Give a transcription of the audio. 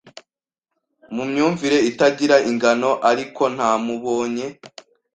mu myumvire itagira ingano arikonamubonye